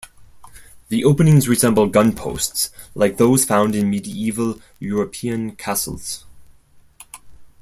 The openings resemble gun-posts like those found in medieval European castles.